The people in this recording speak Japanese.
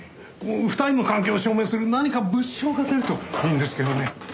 ２人の関係を証明する何か物証が出るといいんですけどね。